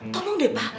tolong deh pak